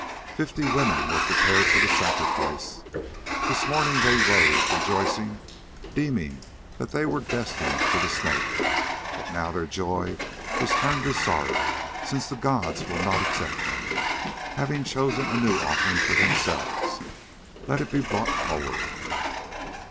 Fifty women were prepared for the sacrifice; this morning they rose rejoicing, deeming that they were destined to the Snake, but now their joy is turned to sorrow, since the gods will not accept them, having chosen a new offering for themselves. Let it be brought forward."